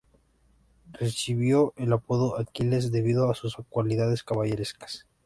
Recibió el apodo Aquiles debido a sus cualidades caballerescas.